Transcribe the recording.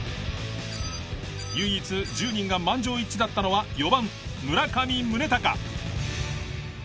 唯一１０人が満場一致だったのは４番村上宗隆。